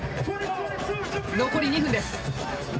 残り２分です。